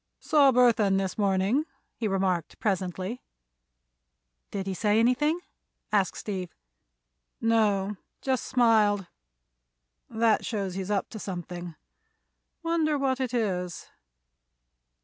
"Saw Burthon this morning," he remarked, presently. "Did he say anything?" asked Steve. "No. Just smiled. That shows he's up to something. Wonder what it is."